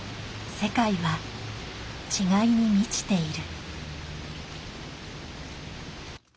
世界は違いに満ちている。